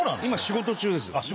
今仕事中ですよ。